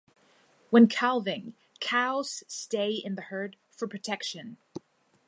When calving, cows stay in the herd for protection.